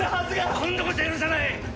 今度こそ許さない！